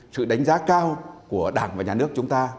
sự đánh giá cao của đảng và nhà nước chúng ta